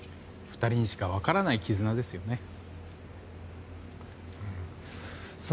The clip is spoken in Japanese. ２人にしか分からない絆ですよね。